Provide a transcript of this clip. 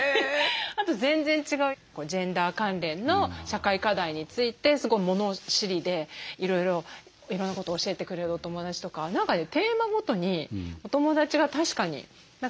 あと全然違うジェンダー関連の社会課題についてすごい物知りでいろいろいろんなことを教えてくれるお友だちとか何かねテーマごとにお友だちが確かに違ってたりします。